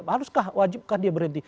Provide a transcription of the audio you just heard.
haruskah wajibkah dia berhenti